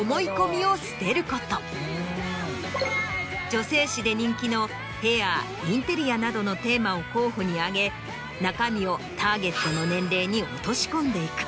女性誌で人気のヘアインテリアなどのテーマを候補に挙げ中身をターゲットの年齢に落とし込んでいく。